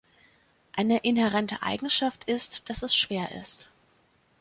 Eine inhärente Eigenschaft ist, dass es schwer ist.